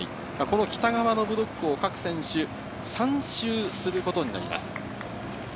北側のブロックを各選手３周することになります。